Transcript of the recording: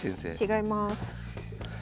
違います。